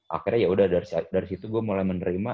akhirnya yaudah dari situ gue mulai menerima